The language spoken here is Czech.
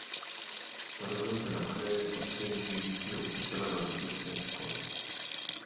Narodil se na Hané jako syn řídícího učitele na vesnické škole.